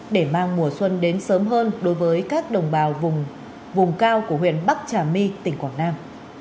để mang mùa xuân đến sớm hơn đối với các đồng bào vùng cao của huyện bắc trà my tỉnh quảng nam